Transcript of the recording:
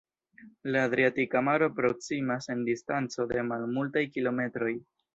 La Adriatika Maro proksimas en distanco de malmultaj kilometroj.